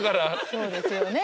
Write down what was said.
そうですよね